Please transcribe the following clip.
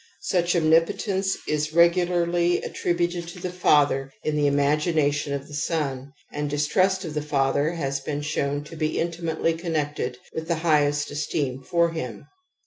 Such omnipotence is regularly at *^ tributed to the father in the imagination of the son, and distrust of the father has been shown to be intimately connected with the highest es teem for him.